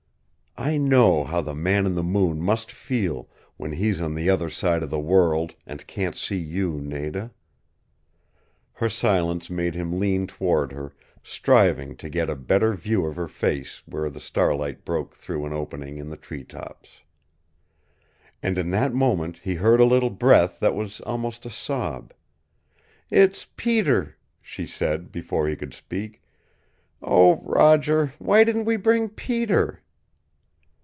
I know how the Man in the Moon must feel when he's on the other side of the world, and can't see you, Nada." Her silence made him lean toward her, striving to get a better view of her face where the starlight broke through an opening in the tree tops. And in that moment he heard a little breath that was almost a sob. "It's Peter," she said, before he could speak. "Oh, Roger, why didn't we bring Peter?"